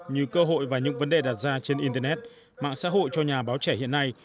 như cơ hội và những vấn đề đặt ra trên internet mạng xã hội cho nhà báo trẻ hiện nay